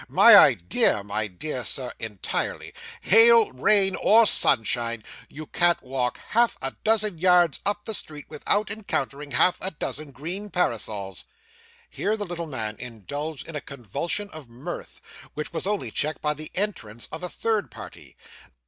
My idea, my dear Sir, entirely. Hail, rain, or sunshine, you can't walk half a dozen yards up the street, without encountering half a dozen green parasols.' Here the little man indulged in a convulsion of mirth, which was only checked by the entrance of a third party.